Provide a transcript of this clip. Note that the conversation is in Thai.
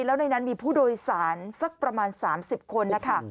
แล้วในนั้นมีผู้โดยสารสักประมาณ๓๐คนแล้วค่ะ